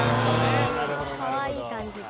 かわいい感じが。